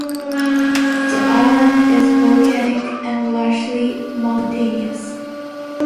The island is volcanic and largely mountainous.